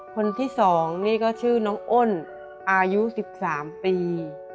คนที่๒นี่ก็ชื่อน้องอ้นอายุ๑๓ปี